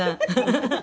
「ハハハ！